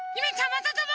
まさとも！